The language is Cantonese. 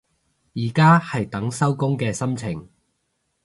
而家係等收工嘅心情